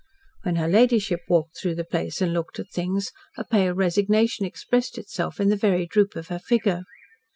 When her ladyship walked through the place and looked at things, a pale resignation expressed itself in the very droop of her figure.